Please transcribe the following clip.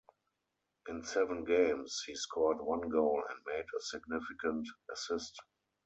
In seven games, he scored one goal and made a significant assist.